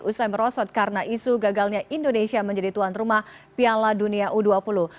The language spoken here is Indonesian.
usai merosot karena isu gagalnya indonesia menjadi tuan rumah piala dunia u dua puluh